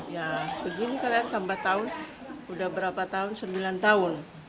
ya begini kalian tambah tahun udah berapa tahun sembilan tahun